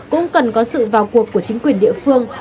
cũng cần có sự vào cuộc của chính quyền địa phương